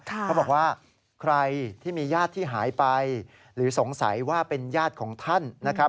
เขาบอกว่าใครที่มีญาติที่หายไปหรือสงสัยว่าเป็นญาติของท่านนะครับ